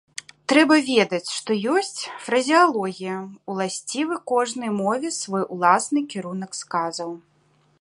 Трэба ведаць, што ёсць фразеалогія, уласцівы кожнай мове свой уласны кірунак сказаў.